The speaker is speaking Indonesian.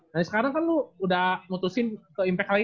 nah sekarang kan lu udah mutusin ke impact lagi